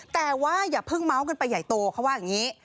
แต่ว่าอย่าเพิ่งเมาส์กันไปใหญ่โตเขาว่าอย่างนี้